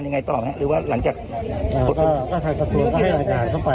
ยังไงต่อไหมหรือว่าหลังจากอ่าก็ถ่ายสัตว์ตัวก็ให้รายการเข้าไป